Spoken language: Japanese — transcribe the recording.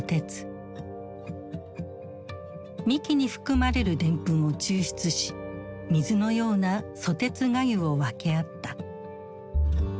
幹に含まれるでんぷんを抽出し水のようなソテツがゆを分け合った。